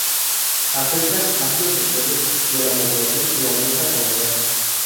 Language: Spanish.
Afectan amplios sectores de la población y aumenta con la edad.